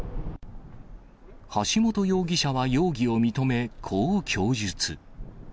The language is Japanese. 橋本容疑者は容疑を認め、こう供述。